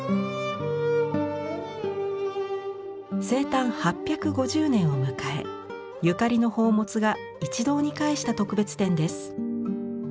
生誕８５０年を迎えゆかりの宝物が一堂に会した特別展です。